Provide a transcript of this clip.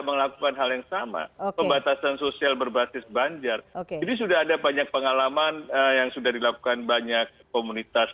melakukan hal yang sama pembatasan sosial berbasis komunitas